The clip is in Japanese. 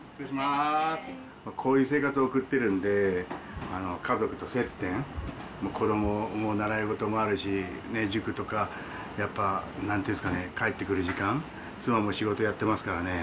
こういう生活を送ってるんで、家族と接点、子どもの習い事もあるし、塾とか、やっぱ、なんていうんですかね、帰ってくる時間、妻も仕事やってますからね。